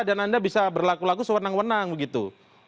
dan anda bisa berlaku laku sewenang wenang begitu